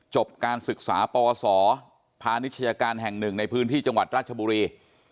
จบการศึกษาปวศพาณิชยาการแห่งหนึ่งในพื้นที่จังหวัดราชบุรี